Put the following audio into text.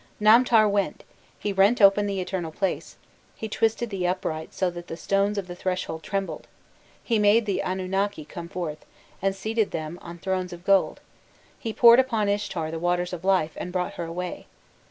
"Namtar went, he rent open the eternal palace, he twisted the uprights so that the stones of the threshold trembled; he made the Anunnaki come forth, and seated them on thrones of gold, he poured upon Ishtar the waters of life, and brought her away."